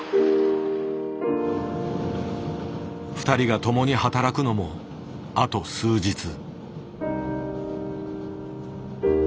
２人が共に働くのもあと数日。